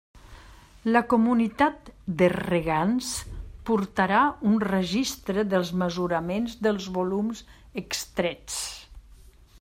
La comunitat de regants portarà un registre dels mesuraments dels volums extrets.